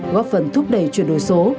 góp phần thúc đẩy chuyển đổi số